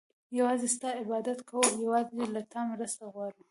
يوازي ستا عبادت كوو او يوازي له تا مرسته غواړو